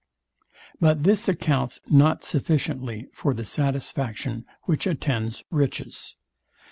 But this accounts not sufficiently for the satisfaction, which attends riches.